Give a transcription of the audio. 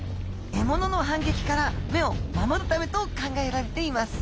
獲物の反撃から目を守るためと考えられています。